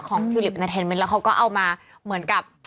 ของคลิปการแสดงแล้วเขาก็เอามาเหมือนกับ